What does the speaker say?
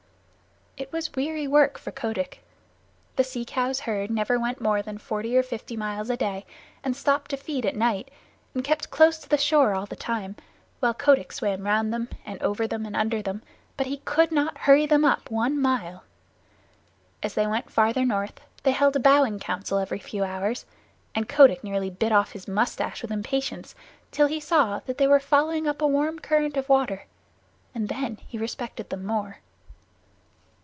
It was weary work for Kotick. The herd never went more than forty or fifty miles a day, and stopped to feed at night, and kept close to the shore all the time; while Kotick swam round them, and over them, and under them, but he could not hurry them up one half mile. As they went farther north they held a bowing council every few hours, and Kotick nearly bit off his mustache with impatience till he saw that they were following up a warm current of water, and then he respected them more.